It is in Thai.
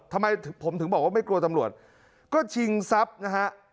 ทำไมผมถึงบอกว่าไม่กลัวตำรวจก็ชิงทรัพย์นะฮะ